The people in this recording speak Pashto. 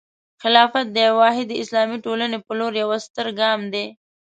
خلافت د یوې واحدې اسلامي ټولنې په لور یوه ستره ګام دی.